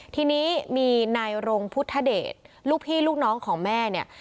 ทีนี้มีนายรงพุทธเดชลูกพี่ลูกน้องของแม่เนี่ย